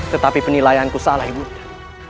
tetapi penilaianku salah ibu nda